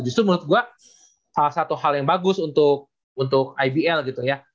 justru menurut gue salah satu hal yang bagus untuk ibl gitu ya